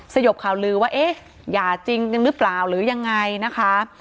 สยบข่าวลือว่าเอ๊ะหย่าจริงหรือเปล่าหรือยังไงนะคะ